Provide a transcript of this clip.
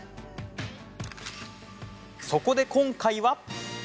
そこで今回は。